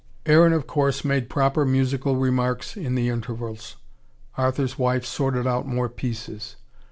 Aaron of course made proper musical remarks in the intervals Arthur's wife sorted out more pieces.